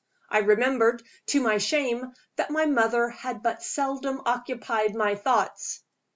I remembered, to my shame, that my mother had but seldom occupied my thoughts.